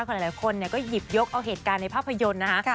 หลายคนก็หยิบยกเอาเหตุการณ์ในภาพยนตร์นะคะ